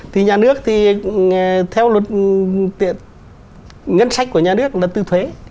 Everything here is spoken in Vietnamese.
thì nhà nước thì theo luật ngân sách của nhà nước là tư thuế